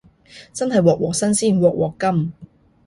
真係鑊鑊新鮮鑊鑊甘